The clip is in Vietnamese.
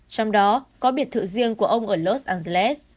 trong đó có biệt thự riêng của ông ở los angeles